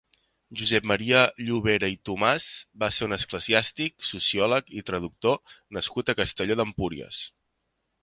Josep Maria Llovera i Tomàs va ser un eclesiàstic, sociòleg i traductor nascut a Castelló d'Empúries.